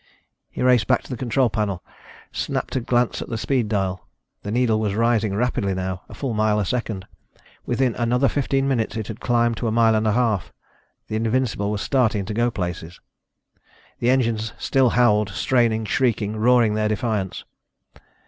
He raced back to the control panel, snapped a glance at the speed dial. The needle was rising rapidly now, a full mile a second. Within another fifteen minutes, it had climbed to a mile and a half. The Invincible was starting to go places! The engines still howled, straining, shrieking, roaring their defiance.